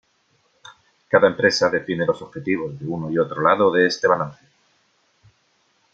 Cada empresa define los objetivos de uno y otro lado de este balance.